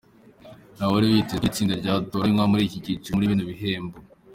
ntawari witeze ko iri tsinda ryatoranywa muri iki cyiciro muri bino bihembo.